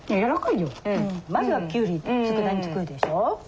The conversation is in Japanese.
まずはきゅうりつくだ煮作るでしょ。